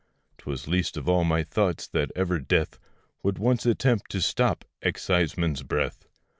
'Twas least of all my thoughts that ever Death Would once attempt to stop excisemen's breath.